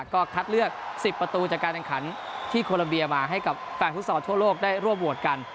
ก็คัดเลือก๑๐ประตูจากการแข่งขันที่โคลัมเบียมาให้กับแฟนฟุตซอลทั่วโลกได้ร่วมโหวตกัน